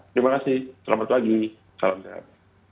terima kasih selamat pagi salam sehat